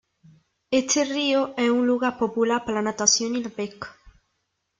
Este río es un lugar popular para la natación y la pesca.